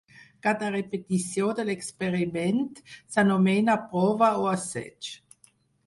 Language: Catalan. Cada repetició de l'experiment s'anomena prova o assaig.